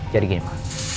jadi gini ma